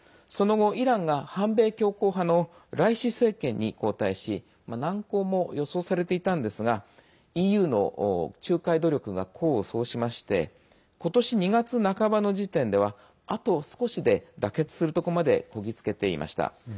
その後、イランが反米強硬派のライシ政権に交代し難航も予想されていたんですがＥＵの仲介努力が功を奏しましてことし２月半ばの時点ではあと少しで妥結するところまでこぎ着けていました。